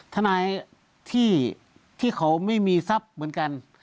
ทนายที่เขาไม่มีทรัพย์เหมือนกัน